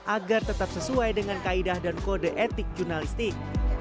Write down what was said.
agar tetap sesuai dengan kaedah dan kode etik jurnalistik